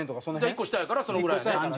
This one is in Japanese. １個下やからそのぐらいやね。